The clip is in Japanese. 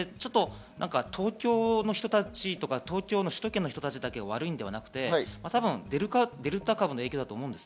東京の人たちとか首都圏の人たちだけが悪いのではなくて、多分デルタ株の影響だと思うんです。